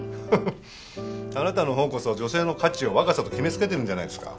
あなたの方こそ女性の価値を若さと決め付けてるんじゃないですか。